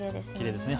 きれいですね。